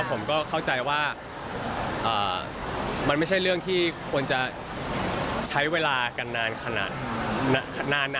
ผมก็เข้าใจว่ามันไม่ใช่เรื่องที่ควรจะใช้เวลากันนานขนาดนั้น